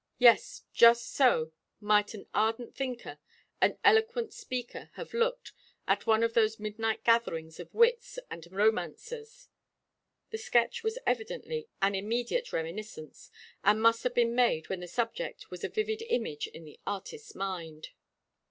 Yes, just so might an ardent thinker, an eloquent speaker have looked at one of those midnight gatherings of wits and romancers. The sketch was evidently an immediate reminiscence, and must have been made when the subject was a vivid image in the artist's mind.